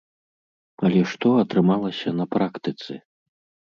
Але што атрымалася на практыцы?